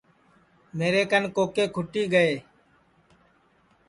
میرے کن کوکے کُھٹی گئے